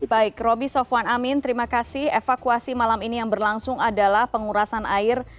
baik roby sofwan amin terima kasih evakuasi malam ini yang berlangsung adalah pengurasan air